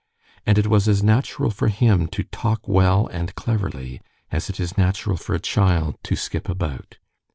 And it was as natural for him to talk well and cleverly, as it is natural for a child to skip about.